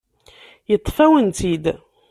Yeṭṭef-awen-tt-id.